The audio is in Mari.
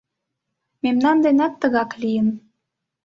Мемнан денат тыгак лийын..